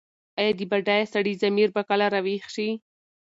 ایا د بډایه سړي ضمیر به کله راویښ شي؟